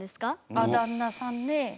あっ旦那さんねえ。